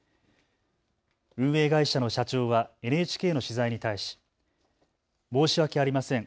運営会社の社長はＮＨＫの取材に対し申し訳ありません。